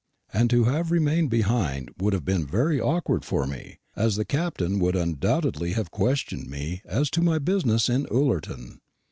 And to have remained behind would have been very awkward for me; as the Captain would undoubtedly have questioned me as to my business in Ullerton.